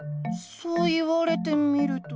そう言われてみると。